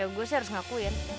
gue sih harus ngakuin